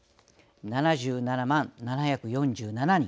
７７万７４７人。